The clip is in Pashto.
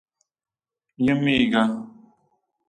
یمېږه.